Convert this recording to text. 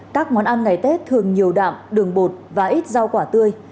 các món ăn ngày tết thường nhiều đạm đường bột và ít rau quả tươi